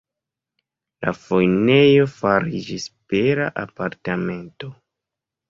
La fojnejo fariĝis bela apartamento.